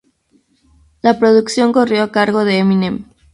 La producción corrió a cargo de Eminem.